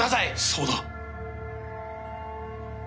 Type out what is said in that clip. そうだ。